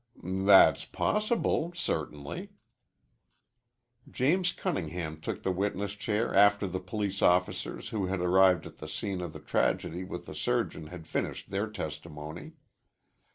"That's possible, certainly." James Cunningham took the witness chair after the police officers who had arrived at the scene of the tragedy with the surgeon had finished their testimony.